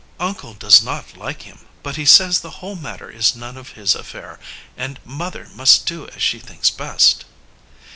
"Uncle does not like him, but he says the whole matter is none of his affair and mother must do as she thinks best."